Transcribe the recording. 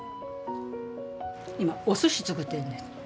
今おすし作ってるんです。